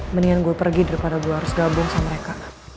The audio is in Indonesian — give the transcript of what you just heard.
mendingan gue pergi daripada gue harus gabung sama mereka